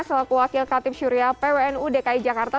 selaku wakil ktip syuriah p w n u dki jakarta